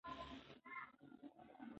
لوګي هوا خرابوي.